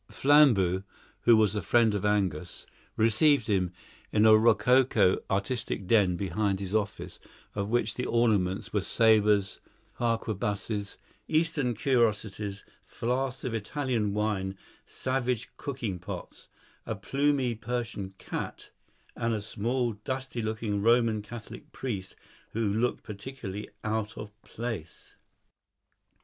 Flambeau, who was a friend of Angus, received him in a rococo artistic den behind his office, of which the ornaments were sabres, harquebuses, Eastern curiosities, flasks of Italian wine, savage cooking pots, a plumy Persian cat, and a small dusty looking Roman Catholic priest, who looked particularly out of place.